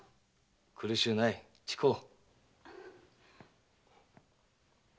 苦しゅうない近う。